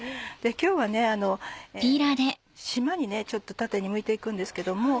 今日はしまに縦にむいて行くんですけども。